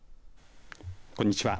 こんにちは。